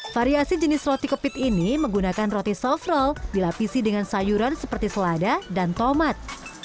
variasi jenis roti kepit ini menggunakan roti soft roll dilapisi dengan sayuran seperti selada dan tomat